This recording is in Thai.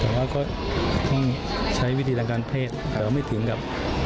แต่ว่าก็ใช้วิธีสัมภาษณ์เภสแต่ว่าไม่ถึงกับ